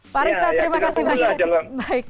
pak arista terima kasih banyak